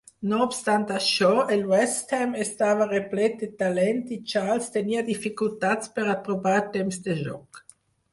No obstant això, el"West Ham" estava replet de talent i Charles tenia dificultats per a trobar temps de joc.